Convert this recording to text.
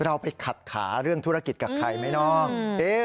เราไปขัดขาเรื่องธุรกิจกับใครไหมน้อง